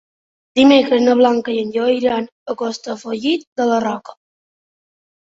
Dimecres na Blanca i en Lleó iran a Castellfollit de la Roca.